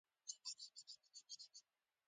فریدګل حیران شو او د هغه د ځای پوښتنه یې وکړه